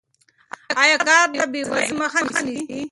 آیا کار د بې وزلۍ مخه نیسي؟